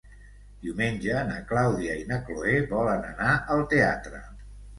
Diumenge na Clàudia i na Cloè volen anar al teatre.